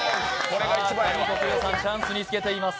上國料さん、チャンスにつけています。